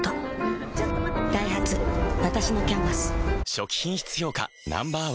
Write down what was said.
初期品質評価Ｎｏ．１